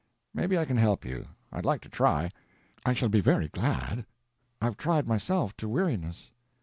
"Maybe I can help you; I'd like to try." "I shall be very glad. I've tried, myself, to weariness."